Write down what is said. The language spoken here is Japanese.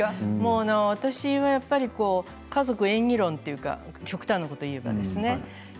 私は家族演技論というか極端なことを言うとですね。